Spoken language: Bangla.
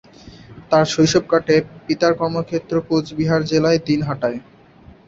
তার শৈশব কাটে পিতার কর্মক্ষেত্র কোচবিহার জেলার দিনহাটায়।